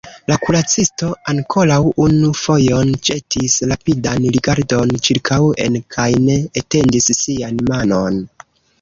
La kuracisto ankoraŭ unu fojon ĵetis rapidan rigardon ĉirkaŭen kaj ne etendis sian manon.